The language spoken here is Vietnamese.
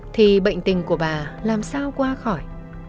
thì bệnh tình của bà làm sao qua khỏi